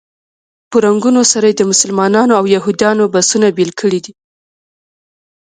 په رنګونو سره یې د مسلمانانو او یهودانو بسونه بېل کړي دي.